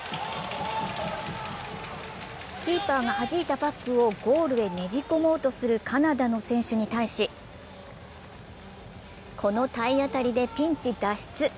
キーパーが弾いたパックをゴールヘねじ込もうとするカナダの選手に対しこの体当たりでピンチ脱出。